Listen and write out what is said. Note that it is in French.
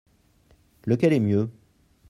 Lequel est mieux ?